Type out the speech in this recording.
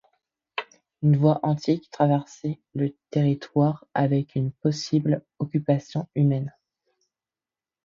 Une voie antique traversait le territoire avec une possible occupation humaine.